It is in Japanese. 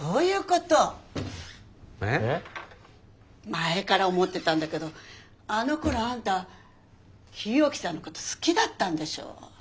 前から思ってたんだけどあのころあんた日置さんのこと好きだったんでしょ。